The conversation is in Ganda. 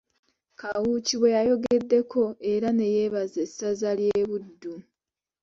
Kawuuki bwe yayongeddeko era ne yeebaza essaza lya Buddu.